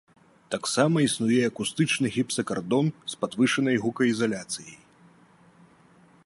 Таксама існуе акустычны гіпсакардон з падвышанай гукаізаляцыяй.